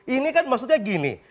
ini kan maksudnya gini